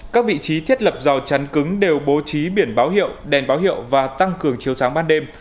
các vị trí thiết lập rào chắn cứng đều bố trí biển báo hiệu đèn báo hiệu và tăng cường chiều sáng ban đêm